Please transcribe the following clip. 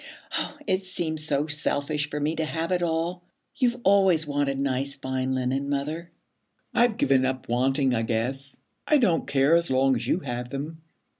'Oh, it seems so selfish for me to have it all. You've always wanted nice fine linen, mother.' 'I've given up wanting, I guess. I don't care as long as you have them.